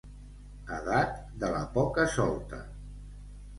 Edat de la poca-solta.